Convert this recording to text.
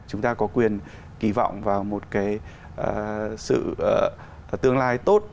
chúng ta có quyền kỳ vọng vào một cái sự tương lai tốt